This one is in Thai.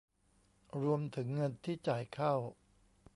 รวมถึงเงินที่จ่ายเข้า